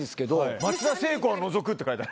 松田聖子は除くって書いてある。